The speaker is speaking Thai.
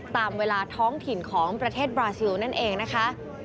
ตามเวลาท้องถิ่นของประเทศบราซิลนั่นเองนะคะ